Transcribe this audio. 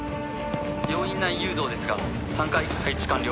病院内誘導ですが３階配置完了。